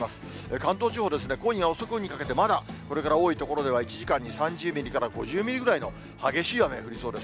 関東地方、今夜遅くにかけて、まだこれから多い所では１時間に３０ミリから５０ミリぐらいの激しい雨が降りそうです。